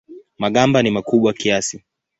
Magamba ni makubwa kiasi.